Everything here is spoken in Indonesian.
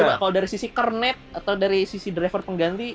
coba kalau dari sisi kernet atau dari sisi driver pengganti